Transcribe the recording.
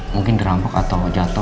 mungkin dirampok atau jatuh